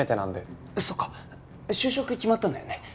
そうか就職決まったんだよね？